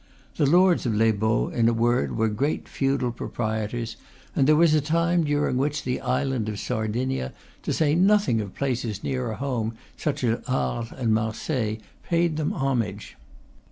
The lords of Les Baux, in a word, were great feudal pro prietors; and there was a time during which the island of Sardinia, to say nothing of places nearer home, such as Arles and Marseilles, paid them homage.